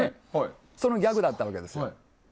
そのギャグだったわけです。